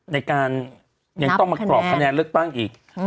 ในการยังต้องมากรอกคะแนนเลือกตั้งอีก